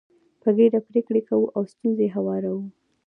په ګډه پرېکړې کوو او ستونزې هواروو.